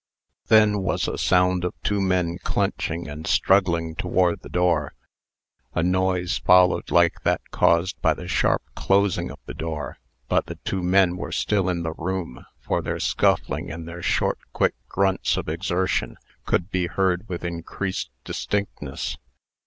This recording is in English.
Then was a sound of two men clenching, and struggling toward the door. A noise followed like that caused by the sharp closing of the door; but the two men were still in the room, for their scuffling and their short, quick grunts of exertion could be heard with increased distinctness.